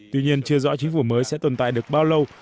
tuy nhiên chưa rõ chính phủ mới sẽ tồn tại được bao lâu